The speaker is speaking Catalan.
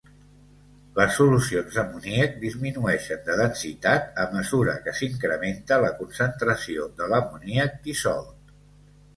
Les solucions d’amoníac disminueixen de densitat a mesura que s’incrementa la concentració de l’amoníac dissolt.